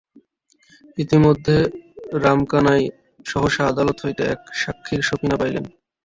ইতিমধ্যে রামকানাই সহসা আদালত হইতে এক সাক্ষীর সপিনা পাইলেন।